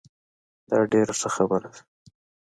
دا ډیره ښه خبره ده